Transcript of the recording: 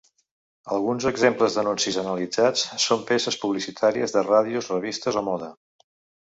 Alguns exemples d’anuncis analitzats són peces publicitàries de ràdios, revistes o moda.